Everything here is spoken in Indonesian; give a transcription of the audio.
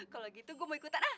kalau gitu gue mau ikutan